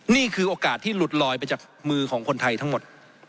นี่คือโอกาสที่หลุดลอยไปจากมือของคนไทยทั้งหมด